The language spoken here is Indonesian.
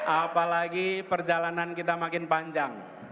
apalagi perjalanan kita makin panjang